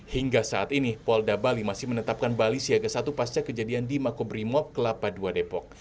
hingga saat ini polda bali masih menetapkan bali siaga satu pasca kejadian di makobrimob kelapa ii depok